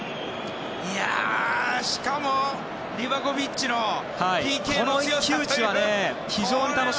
しかもリバコビッチのＰＫの強さ。